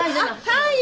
はい！